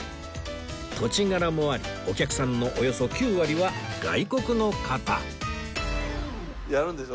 土地柄もありお客さんのおよそ９割は外国の方やるんでしょ？